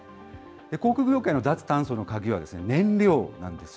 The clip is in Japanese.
航空業界の脱炭素の鍵は、燃料なんです。